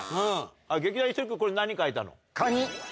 劇団ひとり君これ何描いたの？